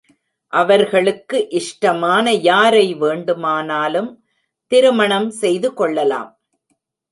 அவர்களுக்கு இஷ்டமான யாரை வேண்டுமானாலும் திருமணம் செய்துகொள்ளலாம்.